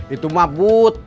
itu mah boot